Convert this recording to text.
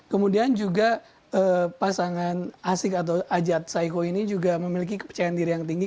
kemudian juga pasangan asik atau ajat saiko ini juga memiliki kepercayaan diri yang tinggi